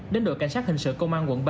đến đội cảnh sát hình sự công an quận ba